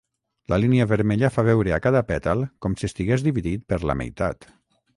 La línia vermella fa veure a cada pètal com si estigués dividit per la meitat.